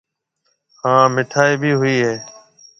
ھان مِٺائِي ڀِي ھوئيَ ھيََََ